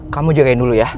kamu jagain dulu